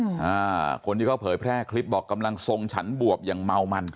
อ่าคนที่เขาเผยแพร่คลิปบอกกำลังทรงฉันบวบอย่างเมามัน